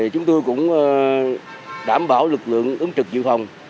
chúng tôi cũng đảm bảo lực lượng ứng trực dự phòng